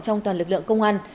trong toàn lực lượng công an